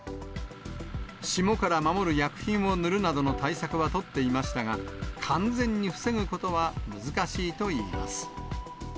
霜から守る薬品を塗るなどの対策は取っていましたが、完全に防ぐことは難しいといいます。